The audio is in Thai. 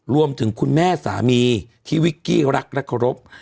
คุณแม่สามีที่วิกกี้รักและเคารพ